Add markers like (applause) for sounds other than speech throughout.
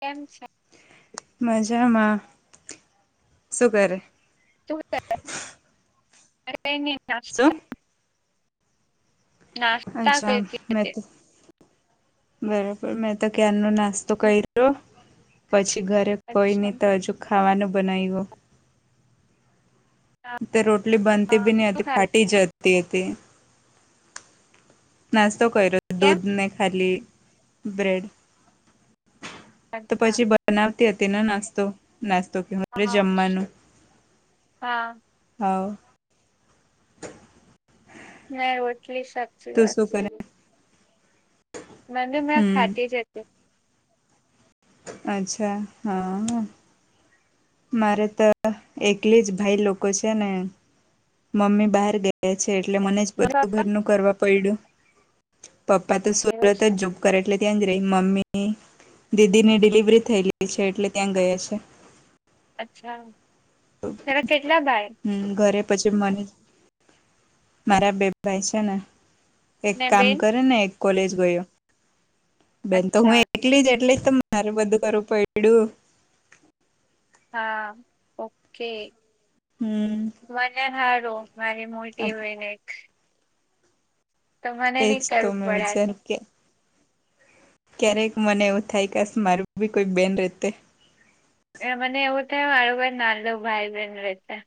કેમ છે. માજામાં શું કરે (unintelligible) શું? નાસ્તા અચ્છા કરતી મે હતી તો બરોબર મેં તો ક્યાર નો નાસ્તો કરી્યો પછી ઘરે કોઈ અચ્છા નહી તો હજુ ખાવાનું બનાવ્યું તે રોટલી બનતી હા, બી નહતી શું હતી ખાધું? ફાટી જતી હતી નાસ્તો કર્યો કેમ દૂધ ને ખાલી બ્રેડ તો અચ્છા. પછી બનાવતી હતી ન નાસ્તો નાસ્તો કેરે જમવાનું હા હા ના રોટલી સાચી તું વાત શું છે એ કરે હમ (unintelligible) અચ્છા હા મારે તો એકલી જ ભાઈ લોકો છે ને મમ્મી બહાર ગયા છે એટલે મને જ મારા બધું પપ્પા ઘરનું કરવા પડ્યું પપ્પા તો એવું છે (unintelligible) કરે એટલે ત્યાં જ રહી મમ્મી દીદી ની ડિલિવરી થય રહી છે એટલે ત્યાં ગયા છે. અચ્છા તરા કેટલા ભાઈ હમ ઘરે પછી મને મારા બે ભાઈ છે ને એક ને કામ બેન કરે ને એક કોલેજ ગયો બેન તો હું અચ્છા એકલી જ એટલી જ તારું બધું કરવું પડ્યું હા ઓકે (unintelligible) હમ (unintelligible) હોય નને મને એજ નહી કરવું તોમે વિચાર પડે કે ક્યારેક મને એવું થાય કેસ મારું બી કોઈક બેન રતે મને એવું થાય માળું ભાઈ નાનું ભાઈ બહેન રહ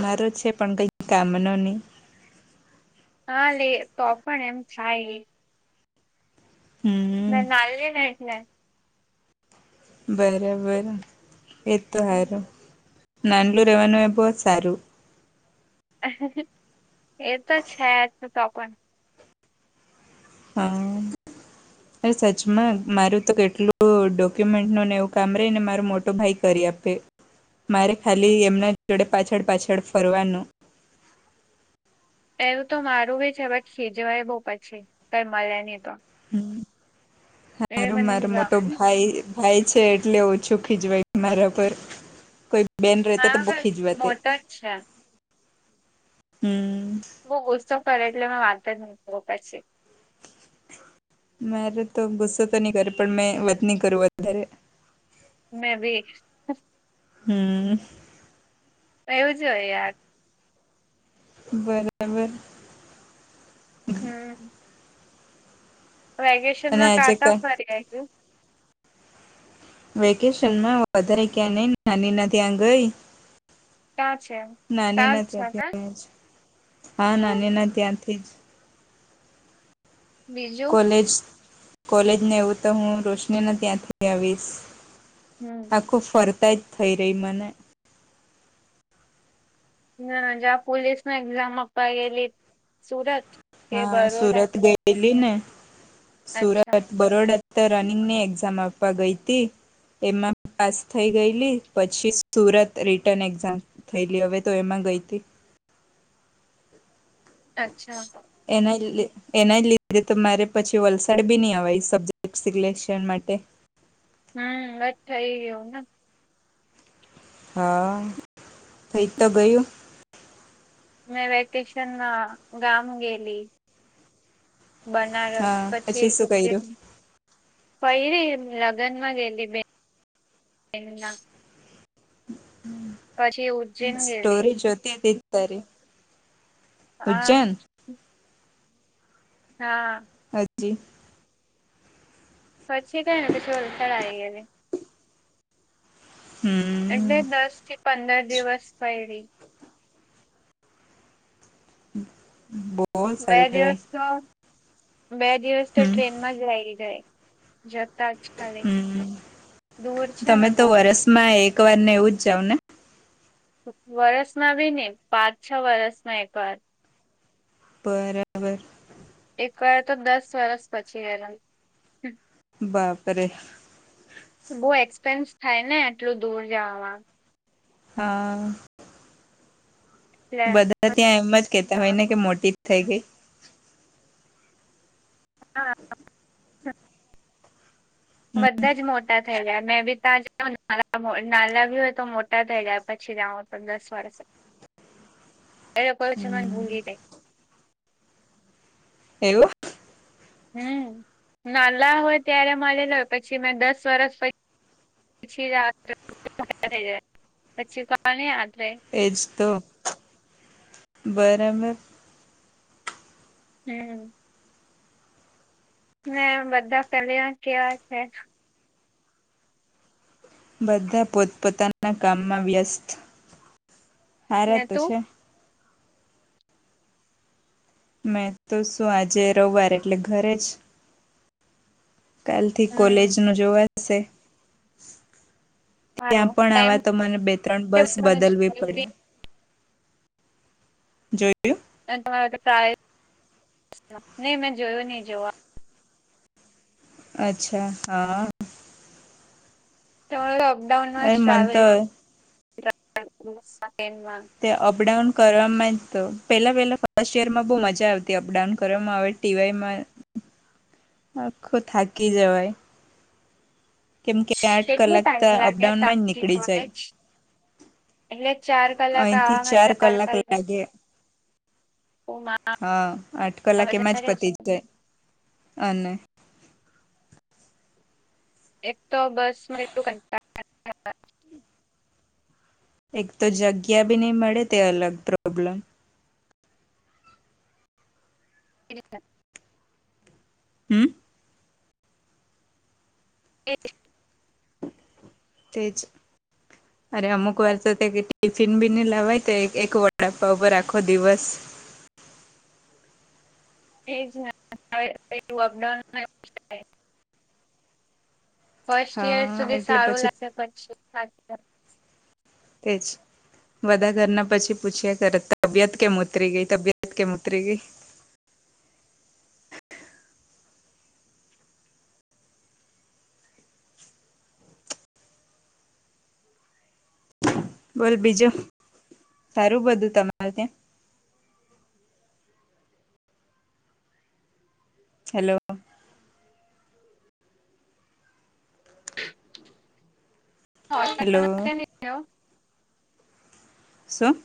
મારો છે પણ કઈ કામ ન નહીં હા લે તો પણ એમ થાય એ હમ (unintelligible) બરાબર એ તો હમ. સારું નાનું રહેેવાનું એ બહુ જ સારું એ તો છે તો પણ હમ (inaudible) અરે સચમાં મારું તો કેટલું ડોક્યુમેન્ટ નને એવું કામ રહી ને મારું મોટો ભાઈ કરી આપે મારે ખાલી એમના જોડે પાછળ પાછળ ફરવાનું એવું તો મારું ભી છે પણ ખીજવાય બહુ પછી કઈ મળે નહી તો હમ એ હાર મને માર ની ગમે મોટો ને ભાઈ થાય છે એટલે ઓછું ખીજવાય મારા પર કોઈ બેન રહતી તો મારો બોવ બી ખીજવાતી મોટો જ છે હમ બહુ ગુસ્સો કરે એટલે મે વાત જ ન પછી મારે તો ગુસ્સો તો નહી કરે પણ મેં વાત ન કરું વધારે મે બી હમ એવું જ હોય યાર. બરાબર. હમ્મ. વેકેશન અને માં આજે કાતા કા ફરી આવું? વેકેશન માં વધારે ક્યાં નઈ નાની ના ત્યાં ગઈ. ક્યાં છે નાની ત્યાં ના જ છે ત્યાંથી આયા હે. હા ને નાનીના ત્યાંથી જ બીજું? લેજ ને એવું તો હું રોશની ના ત્યાંથી આવીશ. હમ આખું ફરતા જ થઈ રહી મને. હા જ્યા પોલીસમાં એક્ઝામ આપવા ગેલી સુરત કે હા, બરોડા સુરત ગયેલી ને. અચ્છા સુરત બરોડા તો રનિંગ ની એક્ઝામ આપવા ગઈ તી. એમાં પાસ થઈ ગયેલી પછી સુરત રિટર્ન એક્ઝામ થયેલી હવે તો એમાં ગઈ તી. અચ્છા. એના લે એના જ લીધે તો મારે પછી વલસાડ બી ના અવાય સબ્જેક્ટ સિલેક્શન માટે. હમ્મ અઠ થઈ ગયું ના. હા, થઈ તો ગયું. મેં વેકેશન માં ગામ ગયેલી. બનારસ હા પછી શું કર્યું ઉજ્જૈન ફૈરી લગ્ન માં ગેએલી બેન એને નાક પછી એવું સ્ટોરી જતી રી તારી. આહ. હા. હાજી. પછી કઈ ને પીછી ચડાય ગઈ ને હમ્મ. ને દસ થી પંદર દિવસ પહેલી બો બે દિવસ તો બે દિવસ તો હમ ટ્રેનમાં જ રહી જાય જતાજ ખાલી. હમ દૂર છે તમે ને તો બહુ વરસમાં એક વાર ને એવું જ જાવ ને? તો વરસમાં બી નહી પાંચ છ વરસમાં એક વાર. પર બરાબર. એક વાર તો દસ વરસ પછી ગયલા હમ્મ. બાપરે. બહુ એક્સપેન્સ થાય ને આટલું દૂર જાવામાં. હા. એટલે બધા ત્યાં એમજ કેતા હોય ને કે મોટી થઈ ગઈ? હા. બધા જ મોટા થઈ જયા મેં બી ત્યાં જા નાલા નાલાભી હોય તો મોટા થઈ જયા પછી જાઉ. દસ વર્ષ એ લોકો છે મને હમ ભૂલી જાય. એવું. હમ્મ, નાલા હોય, ત્યારે મળેલો, પછી મેં દસ વર્ષ પ પછી, પછી કોને યાદ રહે. એજ તો બરાબર. હમ્મ. મે બધા પહેલી વાર કેવા છે. બધા પોતપોતાના કામમાં વ્યસ્ત હાર ને તો તું છે. મેં તો શું આજે રવિવાર એટલે ઘરે જ. કાલથી હમ કોલેજનું જોવા હશે. ત્યાં સારું પણ આવા તો મને બે-ત્રણ બસ બદલવી પડે. જોયું. અને તમારા નહીં, મેં જોયુ નહી જોવા. અચ્છા, હા. તમારુ અપડાઉન માં જ અરે મન ટ્રાવેલ. તો ઓસ સકન્ડમાં. તે અપડાઉન કરવામાં જ તો, પહેલાં પહેલાં ફર્સ્ટ યરમાં બહુ મજા આવતી, અપડાઉન કરવામાં આવે. ટીવાયમાં. (unintelligible) આખું થાકી જવાય. કેમ કે, આઠ કેટલો કલાક તો ટાઈમ લાગે અપડાઉનમાં જ તામથી નીકળી જાય. કોલેજ એટલે ચાર કલાક અહીંથી આવામાં ચાર કલાક કલાકમાં લાગે. હા, આઠ કલાક એમાં જ વધારે પતી જાય, અને એક તો બસ એટલું કંટા એક તો જગ્યા બી નહી મળે, તે અલગ પ્રોબ્લમ (unintelligible) હમ્મ. એજ. તે જ અરે અમુક વાર તો તે ટી ફીન બી ની લાવાય, તો એક વડાપાઉ પર આખો દિવસ એજ ને અપડા ઉમા (unintelligible) ફર્સ્ટ ઈયર હા સુધી એટલે સારું પછી લાગે, પછી એજ. બધા ઘરના પછી પૂછ્યા કરે, તબિયત કેમ ઉતરી ગઈ, તબિયત કેમ ઉતરી ગઈ. બોલ, બીજું સારું, બધું તમારે ત્યાં? હલો. હા. હલો. શુ?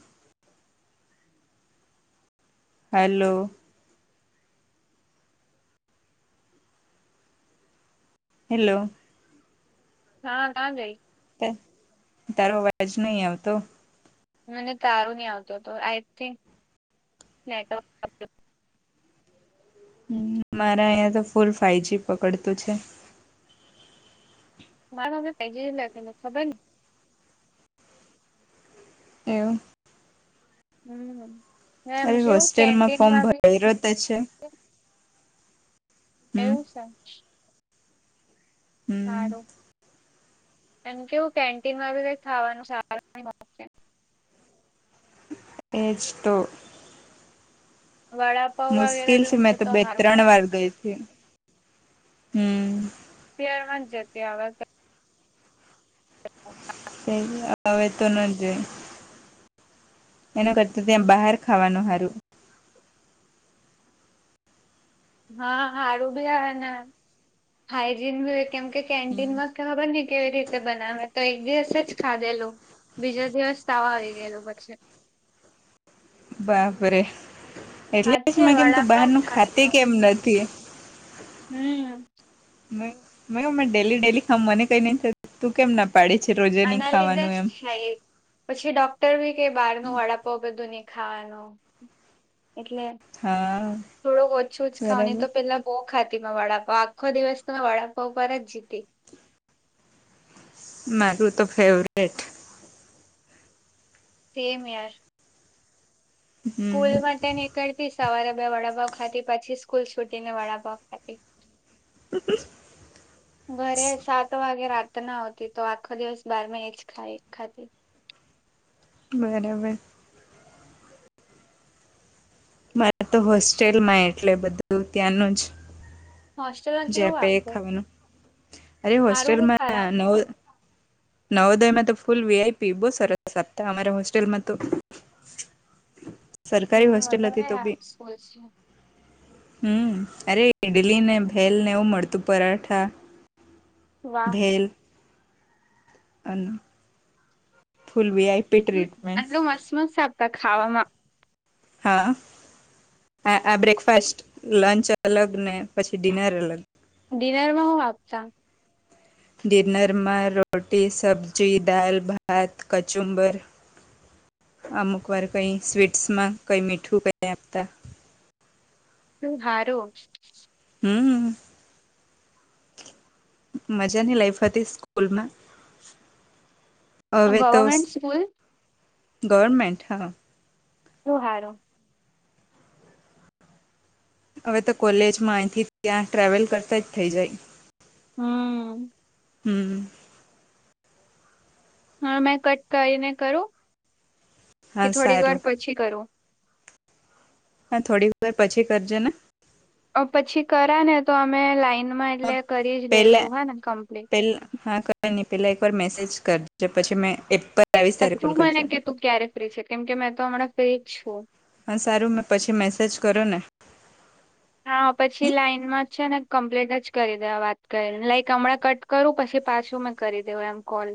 હલો. હેલો. હા, ના જાય. તારો અવાજ નહી આવતો. મને તારું નહીં આવતું હતું, આઈ થિંકટ. હ, મારા અહીં તો, ફૂલ ફાઈવ જ પકડતું છે. માણ અવે પેલે નથી સંધ એવમ હમ એમ શવું કેન્ટીનમાં બી ગઇ રોત છે. હમ એવું છે? હમ સારું એમ કેવું કેન્ટિનમાં આવી ને કઈક ખાવાનું સારું નહીં મળશે. એજ તો વડાપાવ વગેરે મુશ્કિલ બી છે મેં મૂકશે તો બે હારું ત્રણ વાર ગઈ હતી. હમ તાર માં જતી હવે તો (inaudible) હવે તો ન જોઈ એનું કરતા ત્યાં બહાર ખાવાનું હારું હા હારું બી હ અને હાઈજીન ભી કેમ કે, કેન્ટીનમાં ખબર નહી કેવી રીતે બનાવે? તો એક દિવસે જ ખાધેલું. બીજા દિવસ તવા આવી ગયેલું પછી બાપરે એટલે હાચે મે કેમ તું બહાર વડાપાવ નુ ખાતે કેમ નથી.? હમમ મે ડેલી ડેલી ખાવ મને કઈ નઈ થતું, કેમ ના પાડીે છે રોજે નહી ખાવાનું એમ હા એ પછી ડોક્ટર બી કે બહારનું વડાપાવ બધું નહીં ખાવાનું. એટલે હા થોડુંક ઓછું જ ખાવ ની બરાબર તો પેલા બો ખાતી માં વડાપાવ આખો દિવસ તો મેં વડાપાવ ઉપર જ જીતી. મારું તો ફેવરેટ સેમ યાર, સ્કૂલ હમ માટે નીકળતી સવારે બે વડાપાવ ખાતી, પછી સ્કૂલ છૂટી ને વડાપાવ ખાતે. (inaudible) (inaudible) ઘરે સાત વાગે રાત ના આવતી તો આખો દિવસ બાર મે એ જ ખાય એક ખાતી. બરાબર, મારા તો હોસ્ટેલમાં એટલે બધું ત્યાંનું જ. હોસ્ટેલમાં જે કેવું આપે તે આપતું ખાવાનું અરે હારું કે હોસ્ટેલમાં ખરાબ નવ નવોદય મા ફૂલ વિઆઈપી બહુ સરસતામા હોસ્ટેલમા તો (unintelligible) સરકારી હોસ્ટેલ હતી વધારે તો હાફ બી. સ્કૂલ છે હમ અરે ઇડલી ને ભેલ ને એવું મળતું પરાઠા વાહ ભેલ, અને ફૂલ વિઆઈ આટલું આટલું મસ્ત મસ્ત આપતા ખાવામા? હા આ બ્રેકફાસ્ટ, લંચ અલગ ને પછી ડિનર અલગ. ડિનરમાં હું આપતા? ડિનરમાં રોટી, સબ્જી, દાલ, ભાત, કચુંબર અમુક વાર કઈ સ્વીટ્સમાં કઈ મીઠું કઈ આપતા. હારો, હમમ મજાની લાઈફ હતી સ્કૂલમાં, હવે તો ગવર્મેન્ટ સ્કૂલ ગવર્મેન્ટ હા શું હારુ. હવે તો કોલેજમાં અહીંથી ત્યાં ટ્રાવેલ કરતા જ થઇ જાય. હમ. હમ. હા મેં કટ કરીને કરું કે હા થોડીક વાર સારું પછી કરું. હા થોડીક વાર પછી કરજે ને. અ પછી કરા ને તો અમે લાઈઇનમાં હા એટલે કરી જ પહેલા લેશું હા ને કમ્પ્લીટ હા. ની પેલા એક વાર મેસેજ કર જે પછી મેં એપ પર આવીશ કા ત્યારે કોલ તું મને કરજે કે તું ક્યારે ફ્રી છે કેમ કે મેં તો હમણાં ફ્રી જ છું. હા સારું મેં પછી મેસેજ કરુ ને હા પછી લાઈનમાં જ છે ને કમ્પ્લીટ જ કરી દેવા વાત કરી લાઈક હમણાં કટ કરું પછી પાછું મેં કરી દેવ એમ કોલ.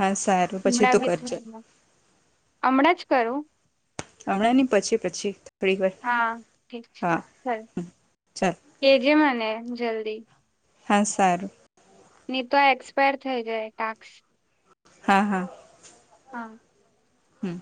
હા સારું પછી હમણાં તું બી થ કરજે હમણાં જ કરું‌. હમણાં ની પછી પછી. થોડીક વાર હા ઠીક છે હા હમ ચાલ કેજે મને જલ્દી. હા સારું. ની તો આ એક્સપાયર થઈ જાય ટાસ્ક. હા હા. હા. હમ.